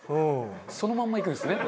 そのまんまいくんですね。